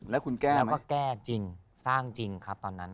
แล้วคุณแก้แล้วก็แก้จริงสร้างจริงครับตอนนั้น